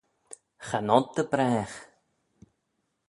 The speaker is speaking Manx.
Cha nod dy bragh.